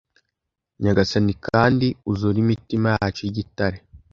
nyagasani kandi uzure imitima yacu yigitare